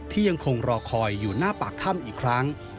ยังคงรอคอยอยู่หน้าปากถ้ำอีกครั้ง